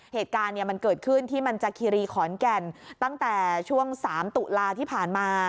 เหตุการณ์เนี่ยมันเกิดขึ้นที่มันจากคีรีขอนแก่นตั้งแต่ช่วง๓ตุลาที่ผ่านมา